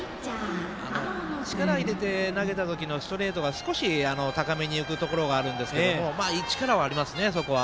力を入れて投げた時のストレートが少し高めに浮くところがあるんですけども力はありますね。